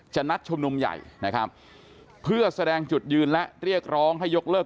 นัดชุมนุมใหญ่นะครับเพื่อแสดงจุดยืนและเรียกร้องให้ยกเลิก